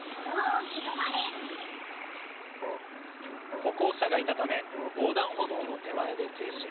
歩行者がいたため横断歩道の手前で停止。